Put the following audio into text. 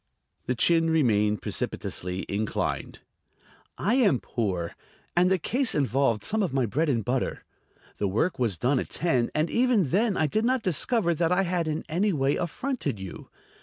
The chin remained precipitously inclined. "I am poor, and the case involved some of my bread and butter. The work was done at ten, and even then I did not discover that I had in any way affronted you.